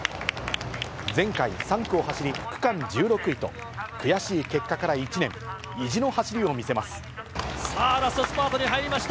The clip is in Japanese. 前回、３区を走り区間１６位と、悔しい結果から１年、意地の走りを見せさあ、ラストスパートに入りました。